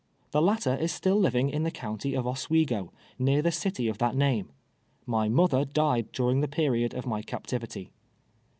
The latter is still living in the connty of Oswego, near the city of that name ; my mother died during the period of my captivity.